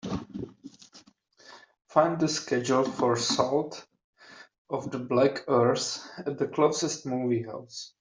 Find the schedule for Salt of the Black Earth at the closest movie house.